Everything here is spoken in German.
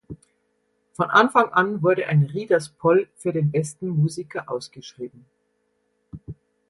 Von Anfang an wurde ein "„Readers Poll“" für den besten Musiker ausgeschrieben.